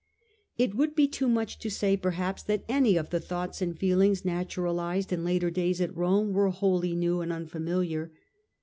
It would be too much to say perhaps that any of the thoughts and feelings naturalised in later days at Rome were wholly new and unfamiliar.